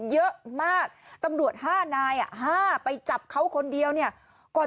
เยอะมากตำรวดห้านายอะห้าไปจับเขาคนเดียวเนี้ยก่อนจะ